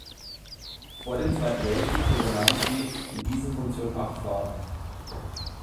Vor dem Zweiten Weltkrieg unternahm sie in dieser Funktion acht Fahrten.